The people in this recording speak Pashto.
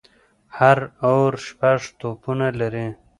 هر اوور شپږ توپونه لري.